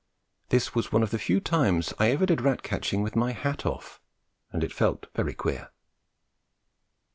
This was one of the few times I ever did rat catching with my hat off, and it felt very queer.